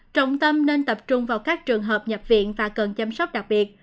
trọng tâm nên tập trung vào các trường hợp nhập viện và cần chăm sóc đặc biệt